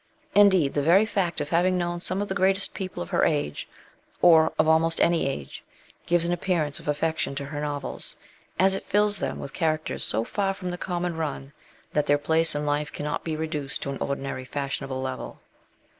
Indeed, the very fact of having known some of the greatest people of her age, or of almost any age, gives an appearance of affectation to her novels, as it fills them with characters so far from the common run that their place in life cannot be reduced to an ordinary fashionable level.